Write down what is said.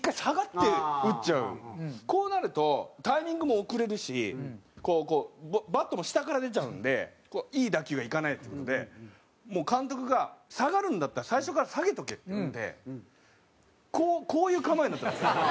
こうなるとタイミングも遅れるしこうバットの下から出ちゃうんでいい打球がいかないっていうのでもう監督が「下がるんだったら最初から下げとけ」って言ってこういう構えになったんですよ。